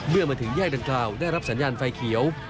เมื่อมาถึงแยกดังกล่าวได้รับสัญญาณไฟเขียว